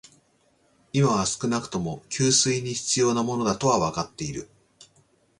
今は少なくとも、給水に必要なものだとはわかっている